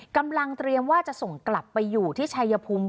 กำลังเตรียมว่าจะส่งกลับไปอยู่ที่ชายภูมิ